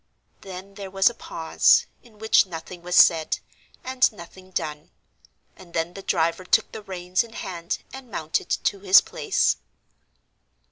Then there was a pause, in which nothing was said, and nothing done; and then the driver took the reins in hand and mounted to his place.